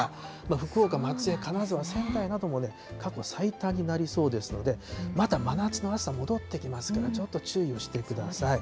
福岡、松江、金沢、仙台なども過去最多になりそうですので、また真夏の暑さ戻ってきますから、ちょっと注意をしてください。